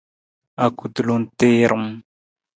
Akutulung tiirung.